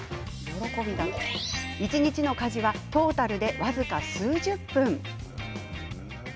一日の家事はトータルで僅か数十分。